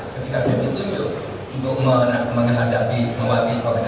ketika saya ditunjuk untuk menghadapi membaki apa apa